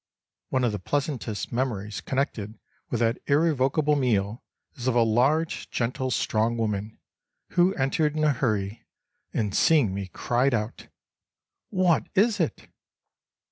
One of the pleasantest memories connected with that irrevocable meal is of a large, gentle, strong woman who entered in a hurry, and seeing me cried out: "What is it?"